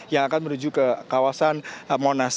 yang akan menuju ke kawasan monas